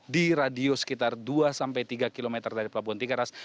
di radio sekitar dua tiga km dari pelabuhan tiga ras